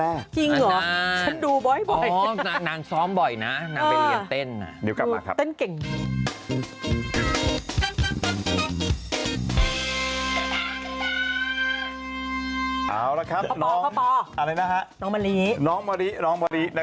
เอ้าพักกันก่อน